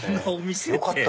よかった！